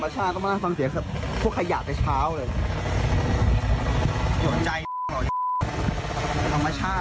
จะเบิ้ลอะไรกันเยอะแยะฮะ